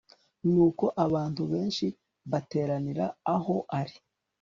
nuko abantu benshi bateranira aho ari